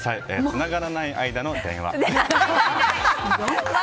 「つながらない間の電話」。